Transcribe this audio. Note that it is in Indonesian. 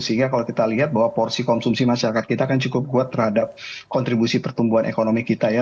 sehingga kalau kita lihat bahwa porsi konsumsi masyarakat kita kan cukup kuat terhadap kontribusi pertumbuhan ekonomi kita ya